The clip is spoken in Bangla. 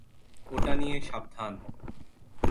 ওটা নিয়ে সাবধান!